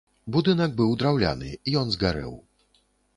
Будынак быў драўляны, ён згарэў.